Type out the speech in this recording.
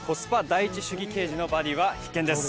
第一主義刑事のバディは必見です。